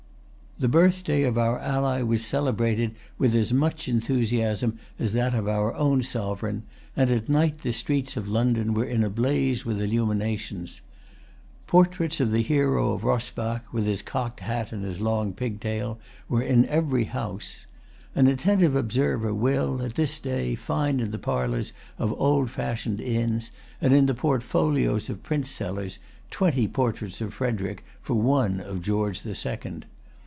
The birthday of our ally was celebrated with as much enthusiasm as that of our own sovereign; and at night the streets of London were in a blaze with illuminations. Portraits of the[Pg 317] Hero of Rosbach, with his cocked hat and long pigtail, were in every house. An attentive observer will, at this day, find in the parlors of old fashioned inns, and in the portfolios of print sellers, twenty portraits of Frederic for one of George the Second.